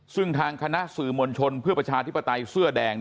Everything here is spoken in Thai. ซึ่งทางคณะสื่อมวลชนเพื่อประชาธิปไตยเสื้อแดง